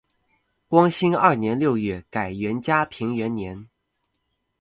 光兴二年六月改元嘉平元年。